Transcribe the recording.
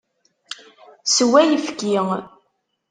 Sew ayefki!